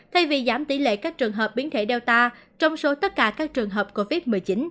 thay vì giảm tỷ lệ các trường hợp biến thể data trong số tất cả các trường hợp covid một mươi chín